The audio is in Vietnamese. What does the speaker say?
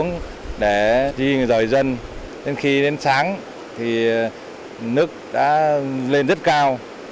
nên khi đến sáng thì nước đã lên rất cao